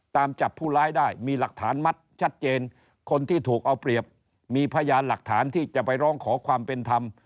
ตามจับผู้ร้ายได้มีหลักฐานมัดชัดเจนคนที่ถูกเอาเปรียบมีพยานหลักฐานที่จะไปร้องขอความเป็นธรรม